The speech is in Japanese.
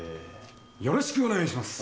よろしくお願いします。